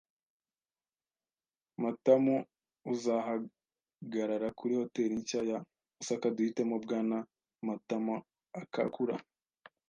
Matamauzahagarara kuri Hotel nshya ya Osaka duhitemo Bwana Matamaakakura.